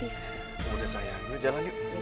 udah sayang kita jalan yuk